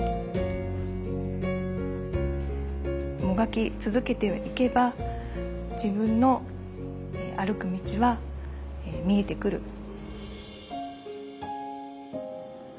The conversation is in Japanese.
もがき続けていけば自分の歩く道は見えてくる。